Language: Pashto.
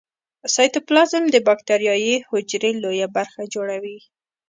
سایتوپلازم د باکتریايي حجرې لویه برخه جوړوي.